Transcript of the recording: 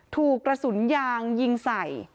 ถูกกระสุนยางยิงใส่